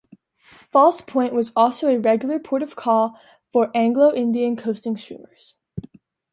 False Point was also a regular port of call for Anglo-Indian coasting steamers.